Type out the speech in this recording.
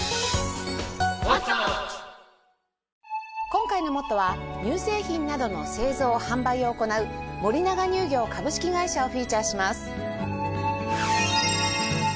今回の『ＭＯＴＴＯ！！』は乳製品などの製造・販売を行う森永乳業株式会社をフィーチャーします。